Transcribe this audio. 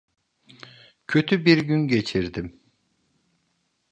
Kötü bir gün geçirdim.